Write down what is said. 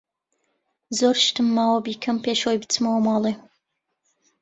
زۆر شتم ماوە بیکەم پێش ئەوەی بچمەوە ماڵێ.